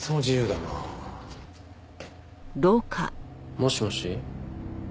もしもし。